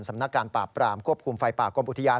สำนักการปราบปรามควบคุมไฟป่ากรมอุทยาน